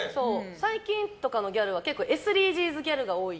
最近とかのギャルは結構、ＳＤＧｓギャルが多い。